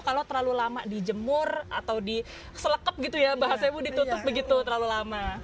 kalau terlalu lama dijemur atau diselekap gitu ya bahasa ibu ditutup begitu terlalu lama